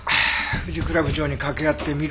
藤倉部長に掛け合ってみる。